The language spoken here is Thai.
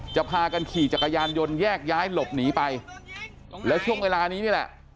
พากันขี่จักรยานยนต์แยกย้ายหลบหนีไปแล้วช่วงเวลานี้นี่แหละ